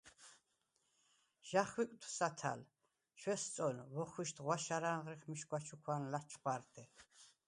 ჟ’ა̈ხვიკდ სათა̈ლ, ჩვესწო̄̈ნ, ვოხვიშდ ღვაშა̈რ ანღრიხ მიშგვა ჩუქვა̄ნ ლაჩხვა̄̈რთე.